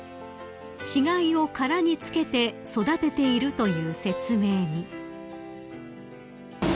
［稚貝を殻に付けて育てているという説明に］